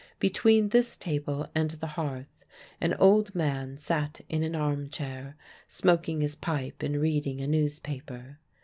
Between this table and the hearth an old man sat in an arm chair, smoking his pipe and reading a newspaper.